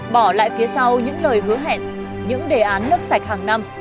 bỏ lại phía sau những lời hứa hẹn những đề án nước sạch hàng năm